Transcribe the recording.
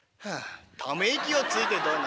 「ため息をついてどう。